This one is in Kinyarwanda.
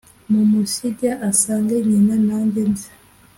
mumusige asange nyina nanjye nze.